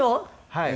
はい。